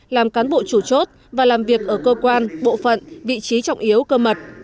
làm cán bộ chủ chốt và làm việc ở cơ quan bộ phận vị trí trọng yếu cơ mật